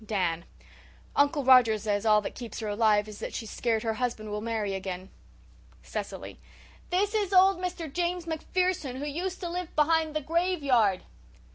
DAN: "Uncle Roger says all that keeps her alive is that she's scared her husband will marry again." CECILY: "This is old Mr. James MacPherson who used to live behind the graveyard."